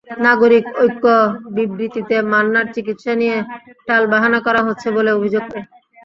নাগরিক ঐক্য বিবৃতিতে মান্নার চিকিৎসা নিয়ে টালবাহানা করা হচ্ছে বলে অভিযোগ করে।